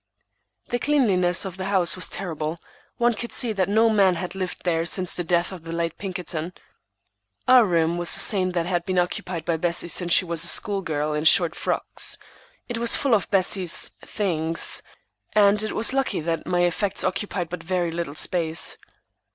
The cleanliness of the house was terrible. One could see that no man had lived there since the death of the late Pinkerton. Our room was the same that had been occupied by Bessie since she was a school girl in short frocks. It was full of Bessie's "things," and it was lucky that my effects occupied but very little space.